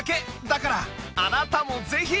だからあなたもぜひ！